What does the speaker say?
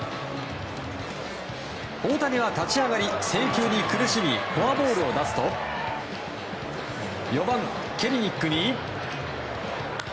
大谷は立ち上がり、制球に苦しみフォアボールを出すと４番、ケリニックに。